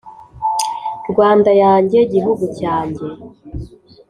rwanda yanjye gihugu cyanjye